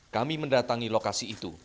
kami mendatangi lokasi itu